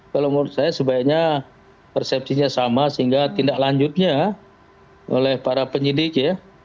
kalau menurut saya sebaiknya persepsinya sama sehingga tindak lanjutnya oleh para penyidik ya